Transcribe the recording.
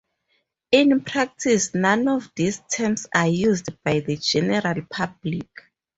In practice, none of these terms are used by the general public.